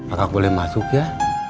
akang boleh masuk ya